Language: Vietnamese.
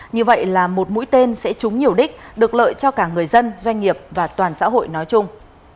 như vậy là một mũi tên sẽ trúng nhiều đích được lợi cho cả người dân doanh nghiệp và toàn xã hội nói chung